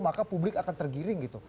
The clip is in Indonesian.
maka publik akan tergiring gitu